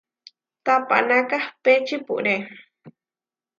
Tapaná kahpé čipúre.